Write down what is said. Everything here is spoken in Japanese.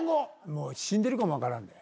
もう死んでるかも分からんで。